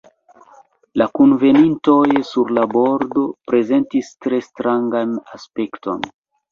La kunvenintoj sur la bordo prezentis tre strangan aspekton.